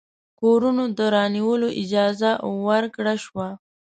کورونو د رانیولو اجازه ورکړه شوه.